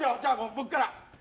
僕から。